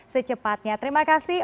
secepatnya terima kasih